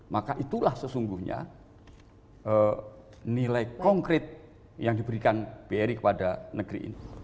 maka itulah sesungguhnya nilai konkret yang diberikan bri kepada negeri ini